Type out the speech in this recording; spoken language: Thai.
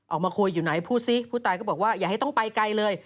ออกมาคุยอยู่ไหนพูดซิผู้ตายก็บอกว่าอย่าให้ต้องไปไกลเลย